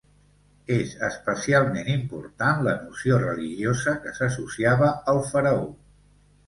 És especialment important la noció religiosa que s’associava al faraó.